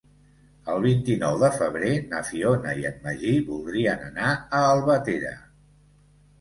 El vint-i-nou de febrer na Fiona i en Magí voldrien anar a Albatera.